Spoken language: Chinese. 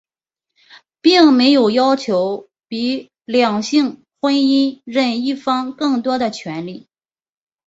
并没有要求比两性婚姻任一方更多的权利。